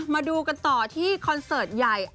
มาดูกันต่อที่คอนเสิร์ตใหญ่